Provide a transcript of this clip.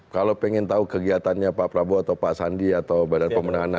kalau pengen tahu kegiatannya pak prabowo atau pak sandi atau badan pemenangan